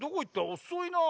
おそいなぁ。